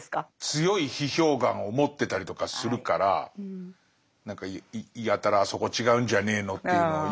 強い批評眼を持ってたりとかするから何かやたら「あそこ違うんじゃねえの？」というのを言ったのかな？